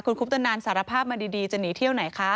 คุณคุปตนันสารภาพมาดีจะหนีเที่ยวไหนคะ